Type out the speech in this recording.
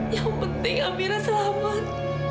yang penting amira selamat